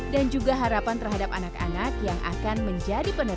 dan juga harapan terhadap anak anak yang akan menjadi peneliti